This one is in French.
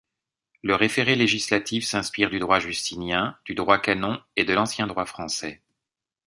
Le référé législatif s'inspire du droit justinien, du droit canon et l'ancien droit français.